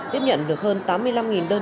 tiếp nhận được hơn tám mươi năm đơn